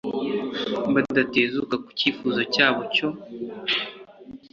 badatezuka ku cyifuzo cyabo cyo